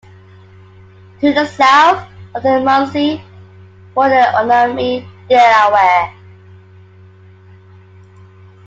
To the south of the Munsee were the Unami Delaware.